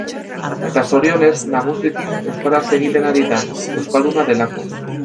Eta zorionez, nagusiki euskaraz egiten ari da, euskalduna delako.